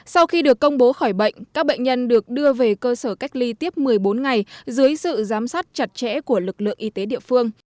sau khi được công bố khỏi bệnh các bệnh nhân được đưa về cơ sở cách ly tiếp một mươi bốn ngày dưới sự giám sát chặt chẽ của lực lượng y tế địa phương